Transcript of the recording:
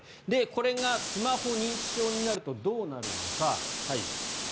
これがスマホ認知症になるとどうなるのか。